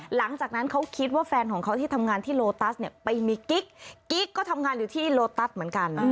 หลังจากนั้นเขาคิดว่าแฟนของเขาที่ทำงานที่โลตัสเนี่ยไปมีกิ๊กกิ๊กก็ทำงานอยู่ที่โลตัสเหมือนกัน